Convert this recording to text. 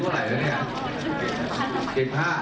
ขอบคุณมาก